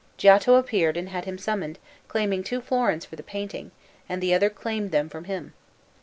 Giotto appeared and had him summoned, claiming two florins for the painting, and the other claimed them from him.